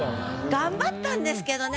頑張ったんですけどね